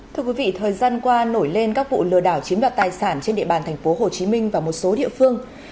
thưa quý vị thời gian qua nổi lên các vụ lừa đảo chiếm đoạt tài sản trên địa bàn tp hcm và một số địa phương